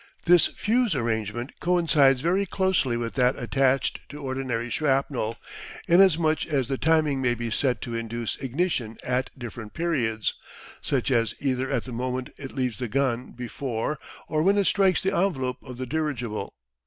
This fuse arrangement coincides very closely with that attached to ordinary shrapnel, inasmuch as the timing may be set to induce ignition at different periods, such as either at the moment it leaves the gun, before, or when it strikes the envelope of the dirigible.